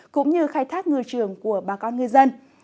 cũng như khai thác ngư trường của bà con ngư dân